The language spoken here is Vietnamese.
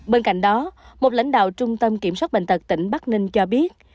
bên cạnh đó một lãnh đạo trung tâm kiểm soát bệnh tật tỉnh bắc ninh cho biết